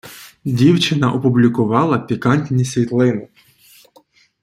Дівчина опублікувала пікантні світлини.